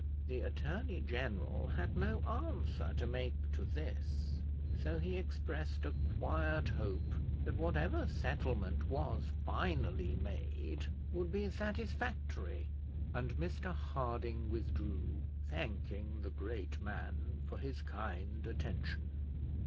The attorney general had no answer to make to this; so he expressed a quiet hope that whatever settlement was finally made would be satisfactory; and Mr Harding withdrew, thanking the great man for his kind attention.